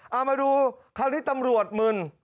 เอามาดูคราวนี้ตำรวจมึน